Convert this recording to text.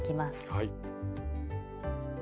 はい。